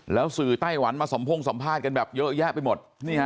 แล้วสื่อไต้หวันมาสมพงษสัมภาษณ์กันแบบเยอะแยะไปหมด